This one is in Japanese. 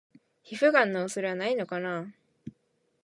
皮膚ガンの恐れはないのかな？